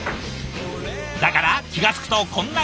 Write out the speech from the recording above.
だから気が付くとこんなことに。